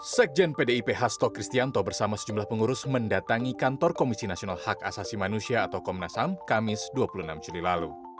sekjen pdip hasto kristianto bersama sejumlah pengurus mendatangi kantor komisi nasional hak asasi manusia atau komnas ham kamis dua puluh enam juli lalu